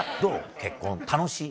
結婚楽しい？